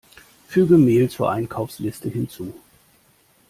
Füge Mehl zur Einkaufsliste hinzu!